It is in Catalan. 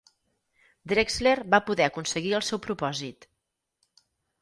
Drexler va poder aconseguir el seu propòsit.